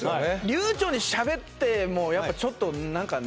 流ちょうにしゃべってもやっぱちょっと何かね